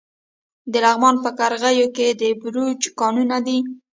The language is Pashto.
د لغمان په قرغیو کې د بیروج کانونه دي.